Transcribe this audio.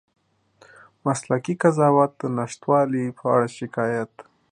مسلکي قضاوت د نشتوالي په اړه شکایت